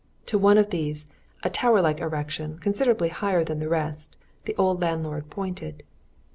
To one of these, a tower like erection, considerably higher than the rest, the old landlord pointed.